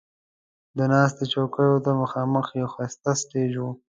د ناستې چوکیو ته مخامخ یو ښایسته سټیج و.